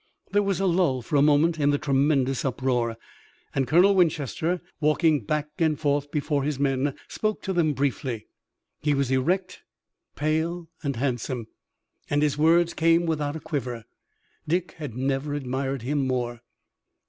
There was a lull for a moment in the tremendous uproar, and, Colonel Winchester walking back and forth before his men, spoke to them briefly. He was erect, pale and handsome, and his words came without a quiver. Dick had never admired him more.